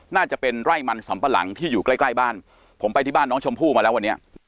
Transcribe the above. น่าจะเป็นไร่มันสำปะหลังที่อยู่ใกล้ใกล้บ้านผมไปที่บ้านน้องชมพู่มาแล้ววันนี้